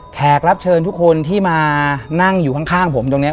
แขกรับเชิญทุกคนที่มานั่งอยู่ข้างผมตรงนี้